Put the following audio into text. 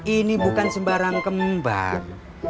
ini bukan sembarang kembar